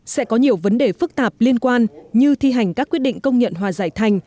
sẽ có nhiều vấn đề phức tạp liên quan như thi hành các quyết định công nhận hòa giải thành